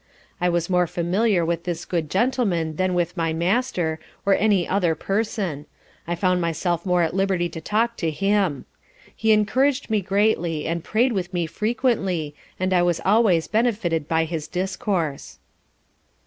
I was more familiar with this good gentleman than with my master, or any other person; and found myself more at liberty to talk to him: he encouraged me greatly, and prayed with me frequently, and I was always benefited by his discourse.